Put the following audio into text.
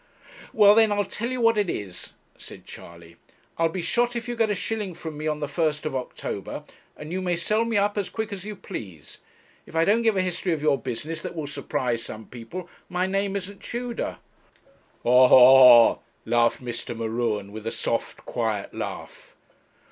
'Well, then, I'll tell you what it is,' said Charley, 'I'll be shot if you get a shilling from me on the 1st of October, and you may sell me up as quick as you please. If I don't give a history of your business that will surprise some people, my name isn't Tudor.' 'Ha, ha, ha!' laughed Mr. M'Ruen, with a soft quiet laugh.